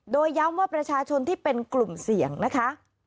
โดยย้ำว่าประชาชนที่เป็นกลุ่มเสี่ยงนะคะ